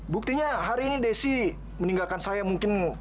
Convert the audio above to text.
buktinya hari ini desi meninggalkan saya mungkin